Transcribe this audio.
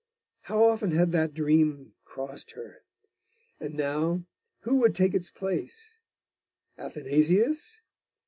How often had that dream crossed her! And now, who would take his place? Athanasius?